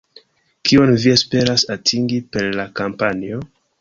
Kion vi esperas atingi per la kampanjo?